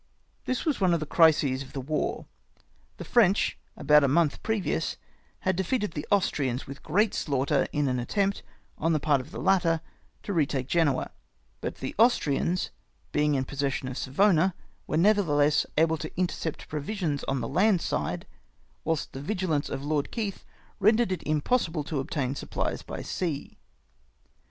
This was one of the crises of the war. The French, about a mouth previous, had defeated the Austrians with great slaughter hi an attempt, on the part of the latter, to retake Genoa ; but the Austrians, being in possession of Savoiia, were nevertlieless able to inter cept provisions on the land side, whilst the vigilance of Lord Keith, rendered it impossible to obtain supphes by sea.